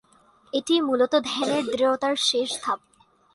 এটিই মূলত ধ্যানের দৃঢ়তার শেষ ধাপ।